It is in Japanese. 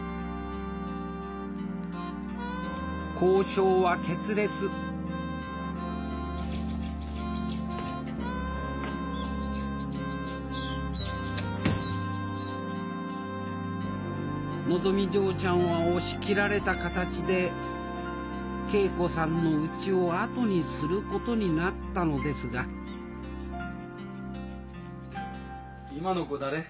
交渉は決裂のぞみ嬢ちゃんは押し切られた形で桂子さんのうちを後にすることになったのですが今の子誰？